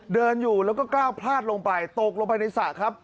เดินอยู่แล้วก็กล้าวพลาดลงไปตกลงไปในสระครับ